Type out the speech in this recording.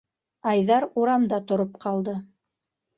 Айҙар урамда тороп ҡалды.